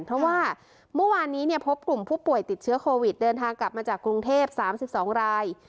เพราะว่าเมื่อวานนี้พบกลุ่มผู้ป่วยติดเชื้อโควิดเดินทางกลับมาจากกรุงเทพ๓๒ราย